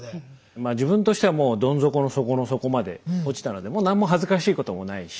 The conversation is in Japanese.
まあ自分としてはもうどん底の底の底まで落ちたのでもう何も恥ずかしいこともないし。